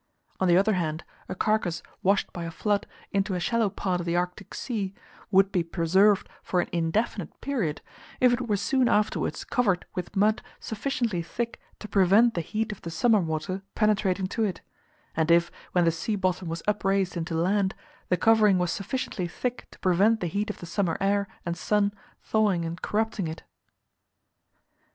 On the other hand, a carcass washed by a flood into a shallow part of the Arctic Sea, would be preserved for an indefinite period, if it were soon afterwards covered with mud sufficiently thick to prevent the heat of the summer water penetrating to it; and if, when the sea bottom was upraised into land, the covering was sufficiently thick to prevent the heat of the summer air and sun thawing and corrupting it.